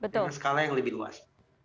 dengan skala yang lebih luas